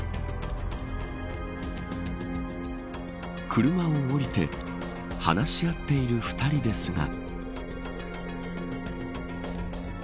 車を降りて話し合っている２人ですが。